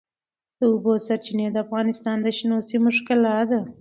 د اوبو سرچینې د افغانستان د شنو سیمو ښکلا ده.